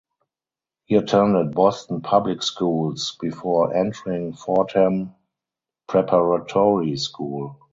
He attended Boston Public Schools before entering Fordham Preparatory School.